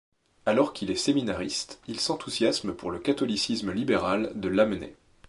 Alors qu'il est séminariste, il s'enthousiasme pour le catholicisme libéral de Lamennais.